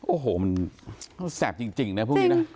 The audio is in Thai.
โอ้โหมันแสบจริงนะพวกนี้นะ